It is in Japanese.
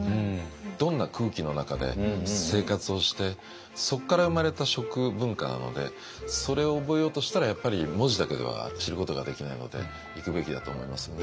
どんな空気の中で生活をしてそこから生まれた食文化なのでそれを覚えようとしたらやっぱり文字だけでは知ることができないので行くべきだと思いますね。